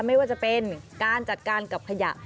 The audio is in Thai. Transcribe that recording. ไม่ว่าจะเป็นการจัดการกับขยะ